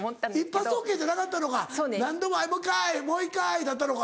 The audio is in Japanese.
一発ＯＫじゃなかったのか何度も「もう１回もう１回」だったのか。